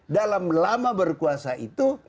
dalam lama berkuasa itu